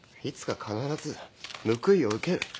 いつか必ず報いを受ける。